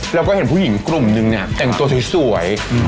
แล้วก็เห็นผู้หญิงกลุ่มนึงเนี่ยแต่งตัวสวย